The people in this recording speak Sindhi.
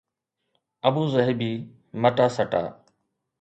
ابوظهبي مٽا سٽا